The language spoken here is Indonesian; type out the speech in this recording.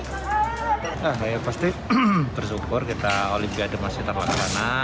nah saya pasti bersyukur kita olimpiade masih terlaksana